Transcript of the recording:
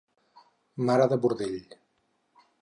Mare de bordell.